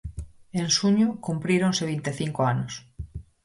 En xuño cumpríronse vinte e cinco anos.